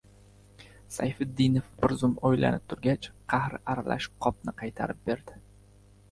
Sayfiddinov bir zum o‘ylanib turgach, qahr aralash qopni qaytarib berdi: